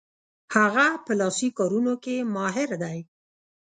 هغه په لاسي کارونو کې ماهر دی.